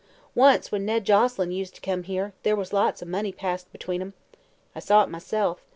Once, when Ned Joselyn used to come here, there was lots of money passed between 'em. I saw it myself.